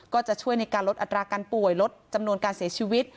ก็จะช่วยในการลดอัตราการป่วยลดจำนวนการเสียชีวิต